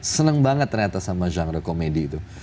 senang banget ternyata sama genre komedi itu